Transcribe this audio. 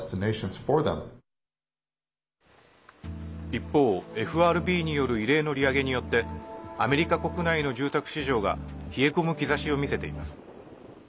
一方、ＦＲＢによる異例の利上げによってアメリカ国内の住宅市場が冷え込む兆しを見せています。